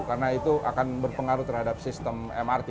karena itu akan berpengaruh terhadap sistem mrt